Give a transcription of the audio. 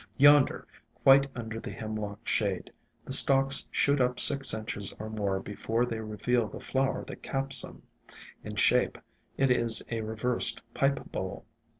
Yonder, quite under the Hemlock shade, the stalks shoot up six inches or more before they reveal the flower that caps them ; in shape it is a reversed pipe bowl.